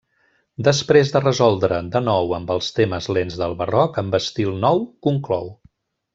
Després de resoldre de nou amb els temes lents del barroc amb estil nou, conclou.